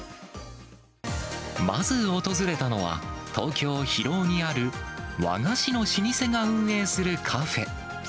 まず訪れたのは、東京・広尾にある和菓子の老舗が運営するカフェ。